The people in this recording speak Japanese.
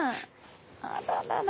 あららら。